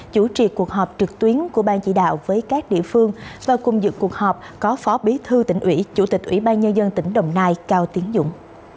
chủ trì cuộc họp trực tuyến của ban chỉ đạo với các địa phương và cùng dự cuộc họp có phó bí thư tỉnh ủy chủ tịch ủy ban nhân dân tỉnh đồng nai cao tiến dũng